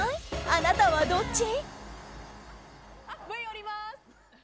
あなたはどっち？